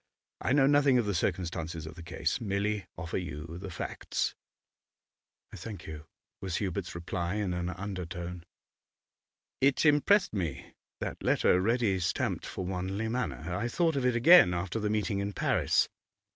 I know nothing of the circumstances of the case, merely offer you the facts.' 'I thank you,' was Hubert's reply in an undertone. 'It impressed me, that letter ready stamped for Wanley Manor. I thought of it again after the meeting in Paris.